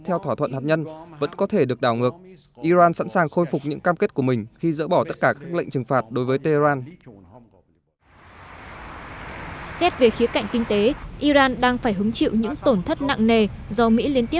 theo thỏa thuận hạt nhân iran vẫn tiếp tục thực hiện đầy đủ các bước đi phá bỏ cam kết